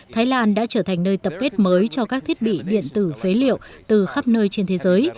thái lan đã trở thành nơi tập kết mới cho các thiết bị điện tử phế liệu từ khắp nơi trên thế giới